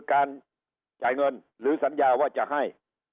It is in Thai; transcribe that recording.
การจ่ายเงินหรือสัญญาว่าจะให้